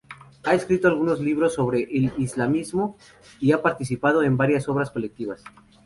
Ha escrito algunos libros sobre islamismo y ha participado en varias obras colectivas.